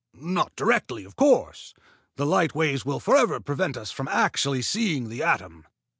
"Not directly, of course. The light waves will forever prevent us from actually seeing the atom.